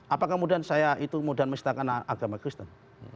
apakah kemudian saya itu mudah menistakan agama kristen